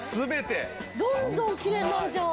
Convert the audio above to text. どんどんきれいになるじゃん。